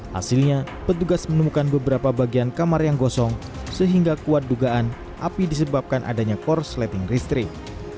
hasilnya petugas menemukan beberapa bagian kamar yang gosong sehingga kuat dugaan api disebabkan adanya korsleting listrik